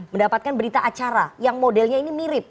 mendapatkan berita acara yang modelnya ini mirip